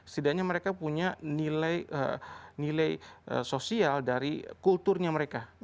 setidaknya mereka punya nilai sosial dari kulturnya mereka